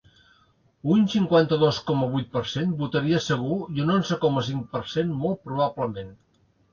Un cinquanta-dos coma vuit per cent votaria segur i un onze coma cinc per cent molt probablement.